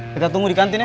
kita tunggu di kantin ya